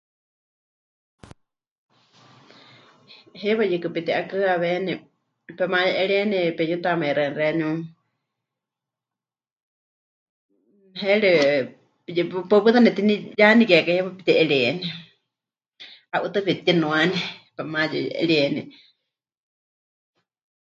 Heiwa yɨkɨ peti'akɨhɨawéni pemaye'eríeni, pemɨyutamaixɨani xeeníu, heeri yɨ... paɨ pɨta nemɨtiniyanikekai heiwa pepɨti'eríeni, 'a'utɨa pepɨtinuani, pemayuye'erieni ri.